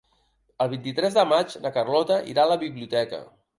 El vint-i-tres de maig na Carlota irà a la biblioteca.